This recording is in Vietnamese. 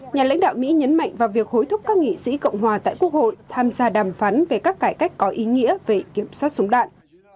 nhà lãnh đạo mỹ nhấn mạnh vào việc hối thúc các nghị sĩ cộng hòa tại quốc hội tham gia đàm phán về các cải cách có ý nghĩa về kiểm soát súng đạn